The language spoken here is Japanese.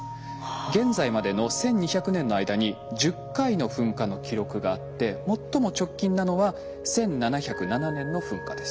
現在までの１，２００年の間に１０回の噴火の記録があって最も直近なのは１７０７年の噴火です。